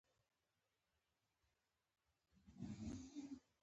عمرا خان لا دومره غښتلی نه و.